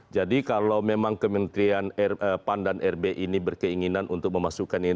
jadi kalau memang kementerian pan dan rbi ini berkeinginan untuk memasukkannya